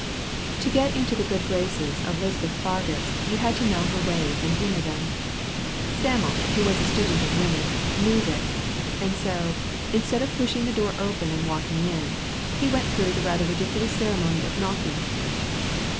To get into the good graces of Lisbeth Fargus you had to know her ways and humor them. Sam'l, who was a student of women, knew this, and so, instead of pushing the door open and walking in, he went through the rather ridiculous ceremony of knocking.